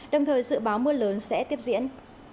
đồng thời dự báo mưa lớn sẽ tiếp diễn